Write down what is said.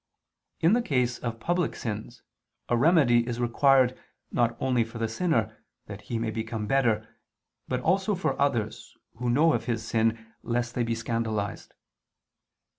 In the case of public sins, a remedy is required not only for the sinner, that he may become better, but also for others, who know of his sin, lest they be scandalized.